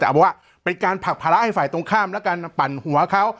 แต่เอาบอกว่าเป็นการผลักภาระให้ฝ่ายตรงข้ามและการปั่นหัวเขา